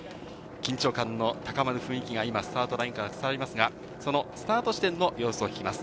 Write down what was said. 緊張感の高まる雰囲気が今、スタートラインから伝わりますが、そのスタート地点の様子を聞きます。